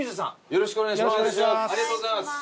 よろしくお願いします。